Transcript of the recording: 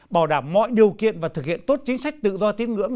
bảo đảm mọi điều kiện và thực hiện tốt chính sách tự do tiếng ngưỡng